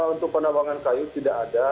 untuk penabangan kayu tidak ada